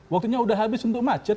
waktunya sudah habis untuk macet